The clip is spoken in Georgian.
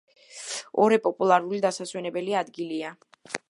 ორე პოპულარული დასასვენებელი ადგილია.